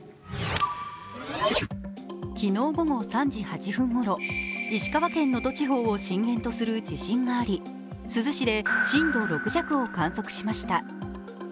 昨日午後３時８分ごろ、石川県能登地方を震源とする地震があり珠洲市で震度６弱を観測しました。